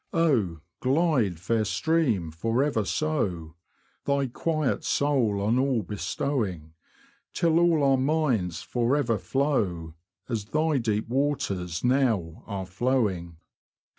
Oh, glide, fair stream, for ever so, Thy quiet soul on all bestowing, Till all our minds for ever flow As thy deep waters now are flowing.